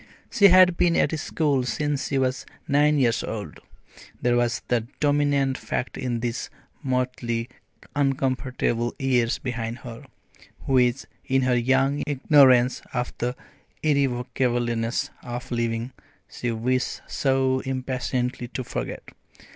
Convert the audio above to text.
She had been at school since she was nine years old there was the dominant fact in these motley uncomfortable years behind her, which, in her young ignorance of the irrevocableness of living, she wished so impatiently to forget.